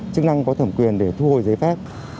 chức năng có thẩm quyền để thu hồi giấy phép